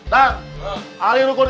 da hari rukun